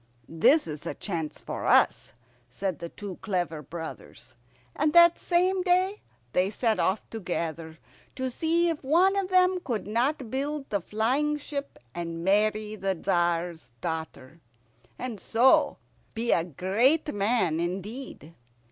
"This is a chance for us," said the two clever brothers; and that same day they set off together, to see if one of them could not build the flying ship and marry the Tzar's daughter, and so be a great man indeed.